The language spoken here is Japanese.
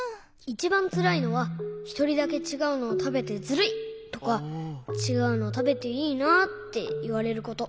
いちばんつらいのは「ひとりだけちがうのをたべてずるい」とか「ちがうのたべていいな」っていわれること。